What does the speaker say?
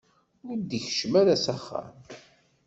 Ur d-ikeččem ara s axxam.